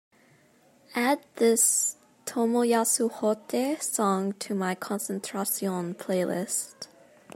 Add this tomoyasu hotei song to my concentración playlist